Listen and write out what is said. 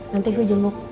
nanti gue jenguk